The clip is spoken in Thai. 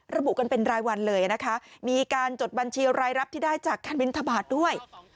ระบุกันเป็นรายวันเลยนะคะมีการจดบัญชีรายรับที่ได้จากการบินทบาทด้วย